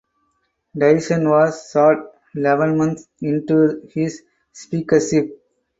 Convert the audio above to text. Tison was shot eleven months into his speakership.